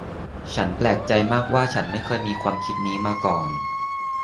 ฉันแปลกใจมากว่าฉันไม่เคยมีความคิดนี้มาก่อน